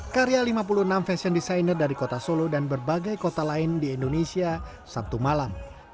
karya lima puluh enam fashion designer dari kota solo dan berbagai kota lain di indonesia sabtu malam